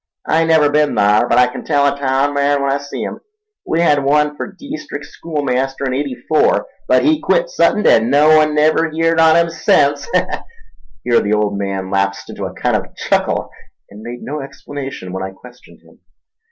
I never ben thar, but I kin tell a taown man when I see 'im—we hed one fer deestrick schoolmaster in 'eighty four, but he quit suddent an' no one never heerd on 'im sence—" Here the old man lapsed into a kind of chuckle, and made no explanation when I questioned him.